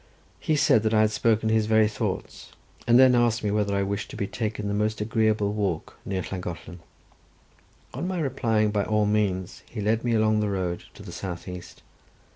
He said that I had spoken his very thoughts, and then asked me whether I wished to be taken the most agreeable walk near Llangollen. On my replying by all means, he led me along the road to the south east.